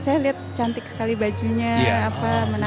saya lihat cantik sekali bajunya menarik